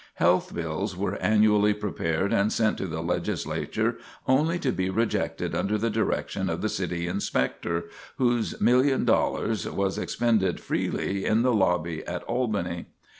Health bills were annually prepared and sent to the Legislature only to be rejected under the direction of the City Inspector, whose $1,000,000 was expended freely in the lobby at Albany.